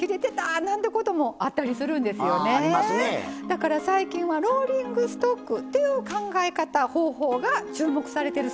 だから最近はローリングストックという考え方方法が注目されてるそうなんです。